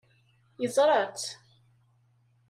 Yeẓra-tt.